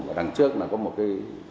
và đằng trước là có một cái